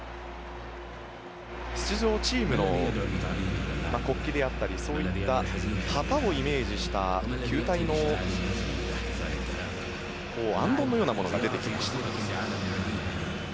出場チームの国旗であったりそういった旗をイメージした球体のあんどんのようなものが出てきました。